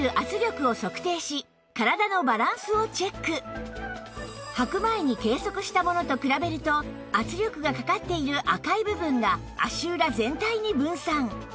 そこではく前に計測したものと比べると圧力がかかっている赤い部分が足裏全体に分散